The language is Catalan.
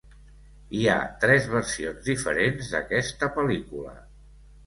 Hi ha tres versions diferents d'aquesta pel·lícula.